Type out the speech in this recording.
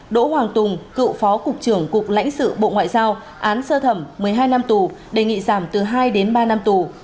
đỗ hoàng tùng cựu phó cục trưởng cục lãnh sự bộ ngoại giao án sơ thẩm một mươi hai năm tù đề nghị giảm từ hai đến ba năm tù